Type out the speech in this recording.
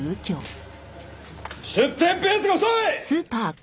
出店ペースが遅い！